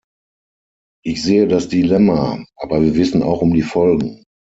Ich sehe das Dilemma, aber wir wissen auch um die Folgen.